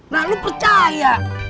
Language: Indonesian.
nah lu percaya